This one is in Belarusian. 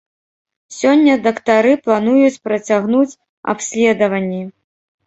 Сёння дактары плануюць працягнуць абследаванні.